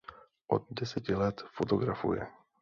Od deseti let fotografuje.